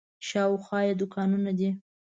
شاوخوا یې دوکانونه دي.